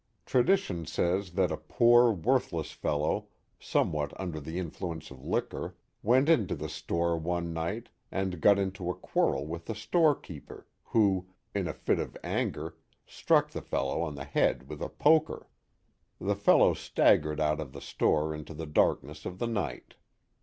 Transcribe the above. Tradition says that a poor, worthless fellow, somewhat under the influence of liquor, went into the store one night and got into a quarrel with the storekeeper, who, in a fit of anger, struck the fellow on the head with a poker. The fellow staggered out of the store into the darkness of the night.